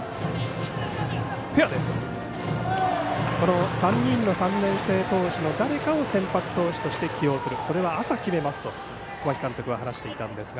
この３人の３年生投手の誰かを先発投手として起用する、それは朝決めますと小牧監督は話していたんですが。